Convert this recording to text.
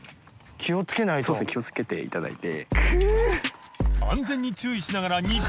気をつけていただいて。